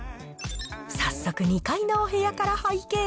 早速、２階のお部屋から拝見。